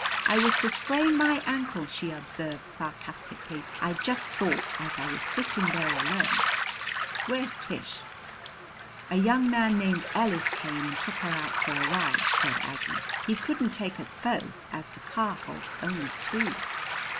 "I was to sprain my ankle," she observed sarcastically. "I just thought as I was sitting there alone " "Where's Tish?" "A young man named Ellis came and took her out for a ride," said Aggie. "He couldn't take us both, as the car holds only two."